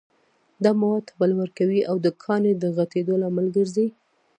دا مواد تبلور کوي او د کاڼي د غټېدو لامل ګرځي.